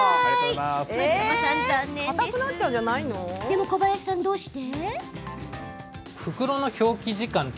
でも小林さん、どうして？